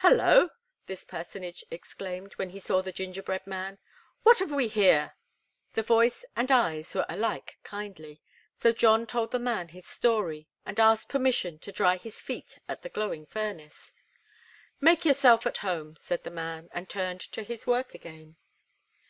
"Hello!" this personage exclaimed, as he saw the gingerbread man. "What have we here?" The voice and eyes were alike kindly; so John told the man his story and asked permission to dry his feet at the glowing furnace. "Make yourself at home," said the man, and turned to his work again.